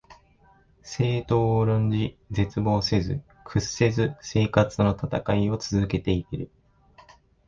政党を論じ、絶望せず、屈せず生活のたたかいを続けて行ける